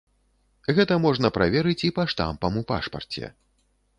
Гэта можна праверыць і па штампам у пашпарце.